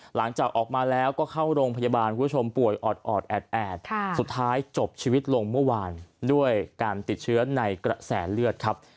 หลังจากออกมาแล้วก็เข้าโรงพยาบาลคุณผู้ชมป่วยออดแอดสุดท้ายจบชีวิตลงเมื่อวานด้วยการติดเชื้อในกระแสเลือดครับ